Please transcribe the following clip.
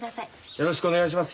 よろしくお願いします